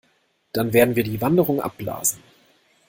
Dann werden wir die Wanderung abblasen.